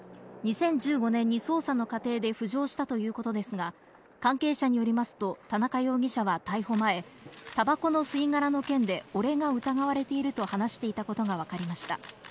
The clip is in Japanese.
２０１５年に捜査の過程で浮上したということですが、関係者によりますと、田中容疑者は逮捕前、たばこの吸い殻の件で俺が疑われていると話していたことが分かりました。